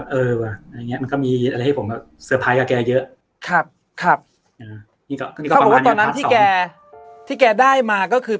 ดอกกันใช่นะมีอะไรให้ผมให้เยอะครับครับที่แกได้มาก็คือ